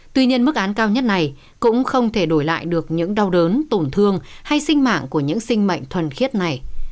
tuy nhiên mức án cao nhất này cũng không thể đổi lại được những đau đớn tổn thương hay sinh mạng của những sinh mệnh thuần khiết này